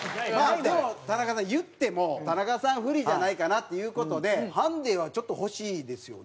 でも田中さん言っても田中さん不利じゃないかなっていう事でハンデはちょっと欲しいですよね？